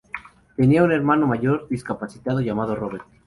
Tenía un hermano mayor discapacitado llamado Robert.